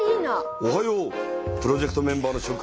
おはようプロジェクトメンバーのしょ君。